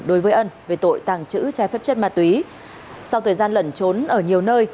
đối với ân về tội tàng trữ trái phép chất ma túy sau thời gian lẩn trốn ở nhiều nơi